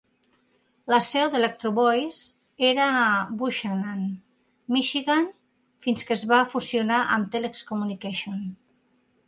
La seu d'Electro-Voice era a Buchanan, Michigan, fins que es va fusionar amb Telex Communications.